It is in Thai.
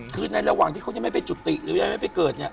คือในระหว่างที่เขายังไม่ไปจุติหรือยังไม่ไปเกิดเนี่ย